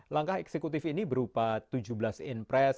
langkah eksekutif ini berupa tujuh belas in press